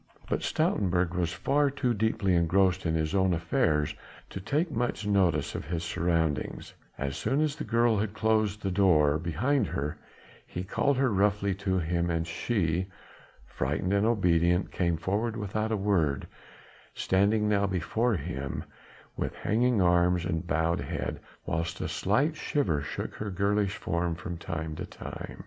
But Stoutenburg was far too deeply engrossed in his own affairs to take much note of his surroundings; as soon as the girl had closed the door behind her, he called her roughly to him and she frightened and obedient came forward without a word, standing now before him, with hanging arms and bowed head, whilst a slight shiver shook her girlish form from time to time.